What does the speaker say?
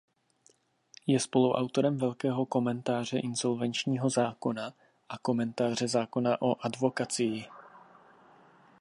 Je spoluautorem velkého "Komentáře Insolvenčního zákona" a "Komentáře Zákona o advokacii".